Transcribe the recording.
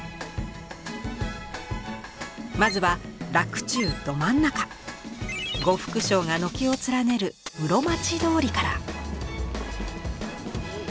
まずは洛中ど真ん中呉服商が軒を連ねる室町通りから。